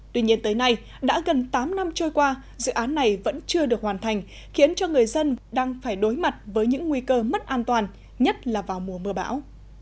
tuy nhiên tới nay đã gần tám năm trôi qua dự án này vẫn chưa được hoàn thành khiến cho người dân đang phải đối mặt với những nguy cơ mất an toàn nhất là vào mùa mưa bão